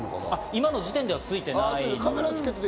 今の時点ではついてない。